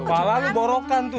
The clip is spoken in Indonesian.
bala lu borokan tuh